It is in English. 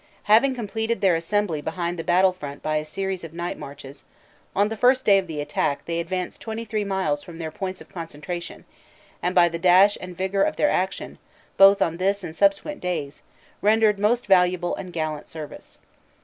Having completed their assem bly behind the battlef ront by a series of night marches, on the first day of the attack they advanced 23 miles from their points of concentration and by the dash and vigor of their action, both on this and subsequent days, rendered most valuable and gallant service."